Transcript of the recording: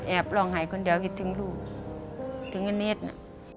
ลองหายคนเดียวคิดถึงลูกถึงอเน็ตน่ะ